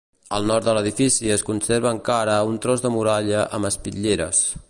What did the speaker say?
Al nord de l'edifici es conserva encara un tros de muralla amb espitlleres.